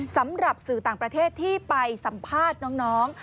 สำหรับสื่อต่างประเทศที่ไปสัมภาษณ์น้อง